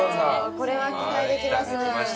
これは期待できますね。